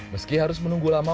meski harus menunggu lama